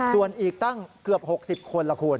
ส่วนอีกตั้งเกือบ๖๐คนละคุณ